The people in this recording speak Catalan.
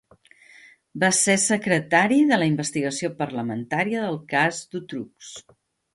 Va ser secretari de la investigació parlamentària del cas Dutroux.